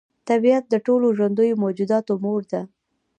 طبیعت د ټولو ژوندیو موجوداتو مور ده.